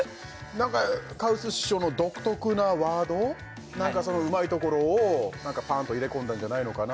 なんかカウス師匠の独特なワードそのうまいところをパーンと入れ込んだんじゃないのかな